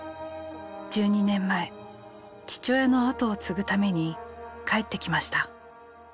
１２年前父親の後を継ぐために帰ってきました。